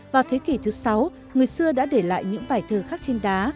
vào thế kỷ thứ sáu người xưa đã để lại những bài thơ khác trên đá